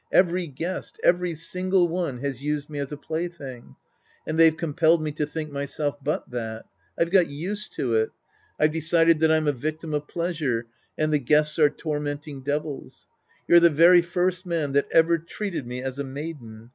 Every guest, every single one, has used me as a plaything. And they've compelled me to think myself but that. I've got used to it. I've decided that I'm a victim of pleasure, and the guests are tormenting devils. You're the very first man that ever treated me as a maiden.